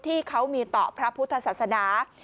ที่เขามีต่อพระพุทธศาสนา